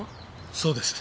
そうです。